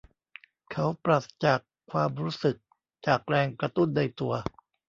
เขาปราศจากความรู้สึกจากแรงกระตุ้นในตัว